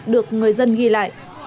được người dân ghi lại